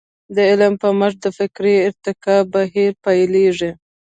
د علم په مټ د فکري ارتقاء بهير پيلېږي.